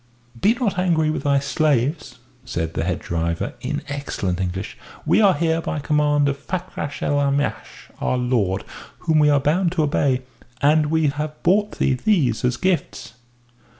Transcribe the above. "Be not angry with thy slaves!" said the head driver, in excellent English. "We are here by command of Fakrash el Aamash, our lord, whom we are bound to obey. And we have brought thee these as gifts."